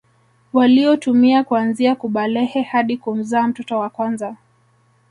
waliotumia kuanzia kubalehe hadi kumzaa mtoto wa kwanza